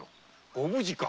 ご無事か？